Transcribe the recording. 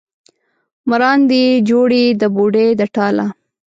مراندې یې جوړې د بوډۍ د ټاله